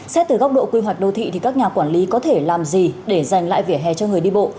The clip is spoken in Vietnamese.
xét từ góc độ quy hoạch đô thị thì các nhà quản lý có thể làm gì để giành lại vẻ hè cho người đi bộ